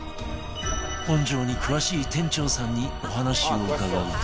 本庄に詳しい店長さんにお話を伺うと